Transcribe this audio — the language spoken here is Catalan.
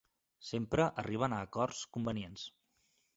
Sempre arriben a acords convenients.